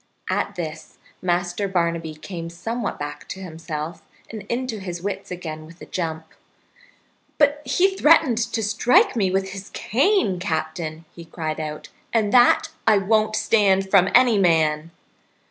At this Master Barnaby came somewhat back to himself and into his wits again with a jump. "But he threatened to strike me with his cane, Captain," he cried out, "and that I won't stand from any man!"